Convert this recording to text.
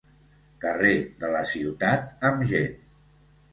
Carrer de la ciutat amb gent.